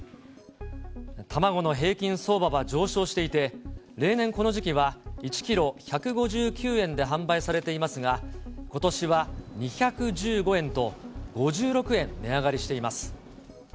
卵の平均相場は上昇していて、例年、この時期は１キロ１５９円で販売されていますが、ことしは２１５円と、５６円値上がりしています。